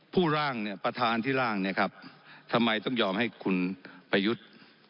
ร่างเนี่ยประธานที่ร่างเนี่ยครับทำไมต้องยอมให้คุณประยุทธ์